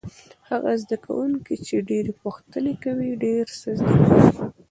هغه زده کوونکی چې ډېرې پوښتنې کوي ډېر څه زده کوي.